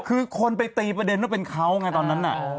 คือคนไปตีประเด็นว่าเป็นเขาไงตอนนั้นน่ะ